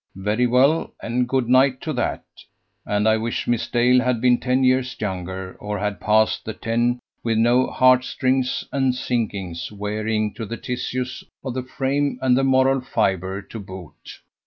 Very well, and good night to that, and I wish Miss Dale had been ten years younger, or had passed the ten with no heartrisings and sinkings wearing to the tissues of the frame and the moral fibre to boot.